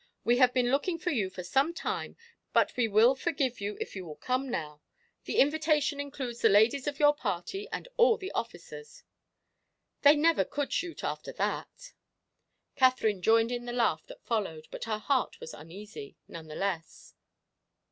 We have been looking for you for some time, but we will forgive you if you will come now. The invitation includes the ladies of your party and all the officers.' They never could shoot after that." Katherine joined in the laugh that followed, but her heart was uneasy, none the less.